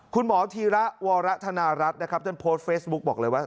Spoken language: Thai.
ธีระวรธนารัฐนะครับท่านโพสต์เฟซบุ๊คบอกเลยว่า